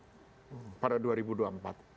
pertarungan politiknya itu di tingkat elit adalah